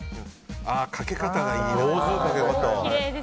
かけ方がいいな。